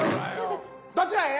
どちらへ？